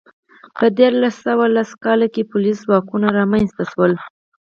په درې سوه لس کال کې پولیس ځواکونه رامنځته شول